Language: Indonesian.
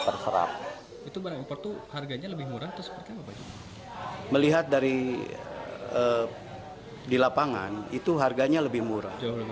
terserap itu barang itu harganya lebih murah melihat dari di lapangan itu harganya lebih murah